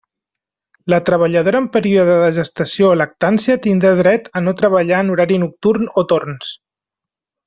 La treballadora en període de gestació o lactància tindrà dret a no treballar en horari nocturn o torns.